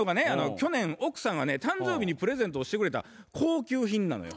去年奥さんがね誕生日にプレゼントをしてくれた高級品なのよ。